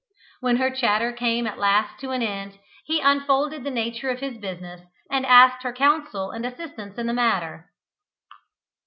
When her chatter came at last to an end, he unfolded the nature of his business and asked her counsel and assistance in the matter.